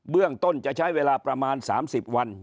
เรื่องต้นจะใช้เวลาประมาณ๓๐วัน